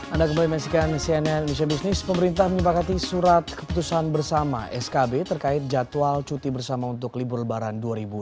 anda kembali menyaksikan cnn indonesia business pemerintah menyepakati surat keputusan bersama skb terkait jadwal cuti bersama untuk libur lebaran dua ribu dua puluh